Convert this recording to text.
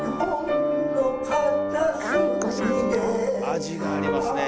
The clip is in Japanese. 味がありますね。